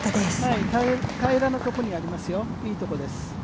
平らなところにありますよ、いいところです。